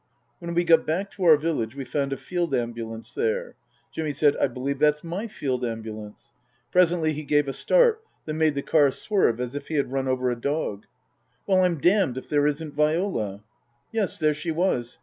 When we got back to our village we found a Field Ambu lance there. Jimmy said, " I believe that's my Field Ambu lance." Presently he gave a start that made the car swerve as if he had run over a dog. " Well, I'm damned if there isn't Viola." Yes, there she was.